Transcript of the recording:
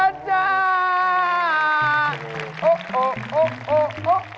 น้ำส้มปั่นไหม